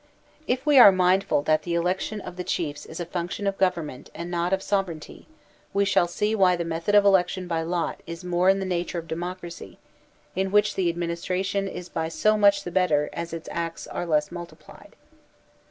If we are mindful that the election of the chiefs is a function of government and not of sovereignty, we shall see why the method of election by lot is more in the nature of democracy, in which the administration is by so much the better as its acts are less multiplied.